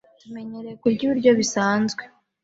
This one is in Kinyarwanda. Tumenyereye kurya ibiryo bisanzwe.